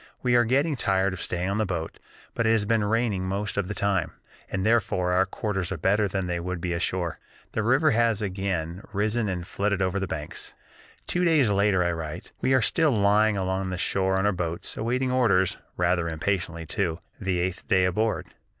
We are getting tired of staying on the boat, but it has been raining most of the time, and therefore our quarters are better than they would be ashore. The river has again risen and flooded over the banks." Two days later I write: "We are still lying along the shore on the boats 'awaiting orders' rather impatiently too, the eighth day aboard.